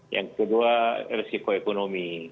yang kedua risiko ekonomi